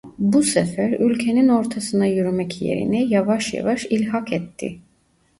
Bu sefer ülkenin ortasına yürümek yerine yavaş yavaş ilhak etti.